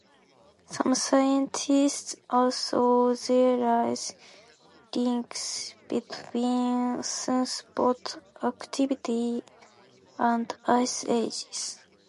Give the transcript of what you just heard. Some scientists also theorize links between sunspot activity and ice ages.